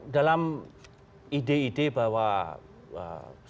dalam ide ide bahwa